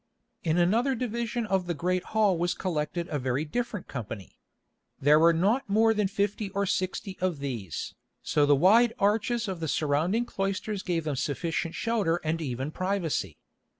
In another division of the great hall was collected a very different company. There were not more than fifty or sixty of these, so the wide arches of the surrounding cloisters gave them sufficient shelter and even privacy.